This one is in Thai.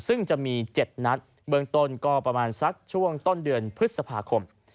ซึ่งจะมี๗นัดเบื้องต้นก็ประมาณสักช่วงต้นเดือนพฤษภาคม